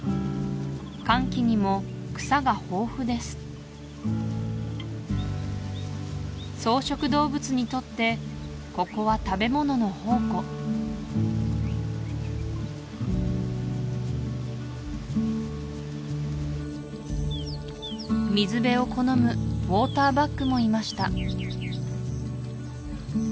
乾期にも草が豊富です草食動物にとってここは食べ物の宝庫水辺を好むウォーターバックもいました